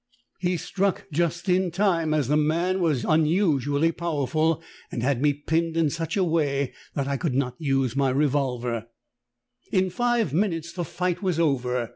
He struck just in time, as the man was THE TALKING HANDKERCHIEF. unusually powerful, and had me pinned in sueh a way that I could not use my revolver. "In five minutes the fight was over.